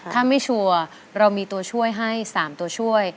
ถ้าไม่ชัวร์เรามีตัวช่วยให้๓ตัวช่วย